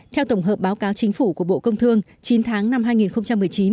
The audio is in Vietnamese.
theo tổng hợp báo cáo chính phủ của bộ công thương chín tháng năm hai nghìn một mươi chín